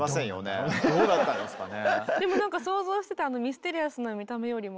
どうだったんですかね。